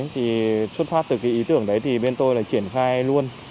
thì xuất phát từ cái ý tưởng đấy thì bên tôi là triển khai luôn